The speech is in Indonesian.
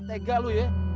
tega lu ya